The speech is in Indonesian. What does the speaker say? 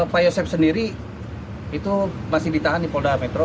pak yosep sendiri itu masih ditahan di polda metro